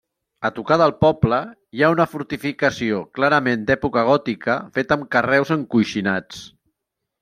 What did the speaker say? A tocar del poble, hi ha una fortificació clarament d'època gòtica, feta amb carreus encoixinats.